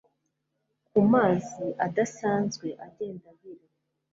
Ku mazi adasanzwe agenda abira